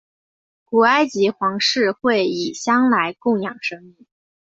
古埃及皇室会以香来供养神明。